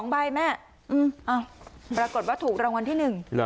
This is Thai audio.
๒ใบ